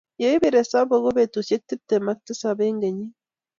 ye ipir esabu ko betushe tepte m ak tisap eng kenyii.